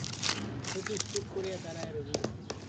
শচীশ চুপ করিয়া দাঁড়াইয়া রহিল।